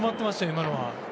今のは。